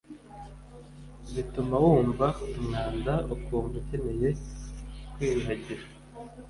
bituma wumva umwanda, ukumva ukeneye kwiyuhagira